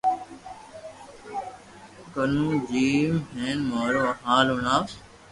ڪنو جاو ھين مارو ھال ھڻاوو